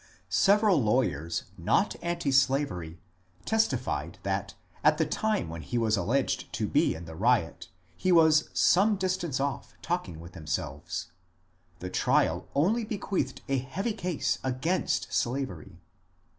Several lawyers not anti slavery testified that at the time when he was alleged to be in the riot he was some distance off talking with themselves. The trial only bequeathed a heavy case against slavery.